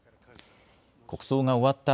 国葬が終わった